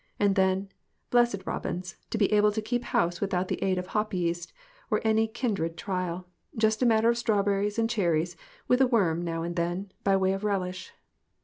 And then "Blessed rob ins, to be able to keep house without the aid of hop yeast, or any kindred trial; just a matter of strawberries, and cherries, with a worm now and then, by way of relish."